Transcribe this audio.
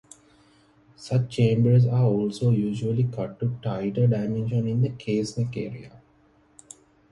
Such chambers are also usually cut to tighter dimensions in the case-neck area.